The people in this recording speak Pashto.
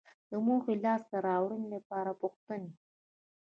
د موخې لاسته راوړنې لپاره پوښتنې